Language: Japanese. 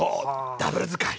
ダブル使い！